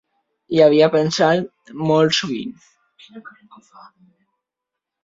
Hi havia pensat molt sovint.